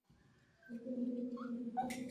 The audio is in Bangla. যাও ঐদিকে গিয়ে নজর রাখো।